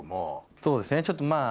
そうですねちょっとまぁ。